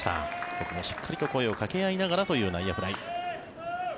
ここもしっかりと声をかけ合いながらという内野フライ。